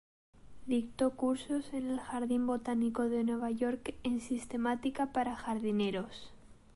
Dictó cursos en el Jardín botánico de Nueva York en sistemática para jardineros.